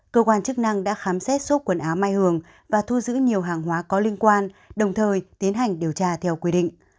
cơ quan chức năng đã khám xét số quần áo mai hường và thu giữ nhiều hàng hóa có liên quan đồng thời tiến hành điều tra theo quy định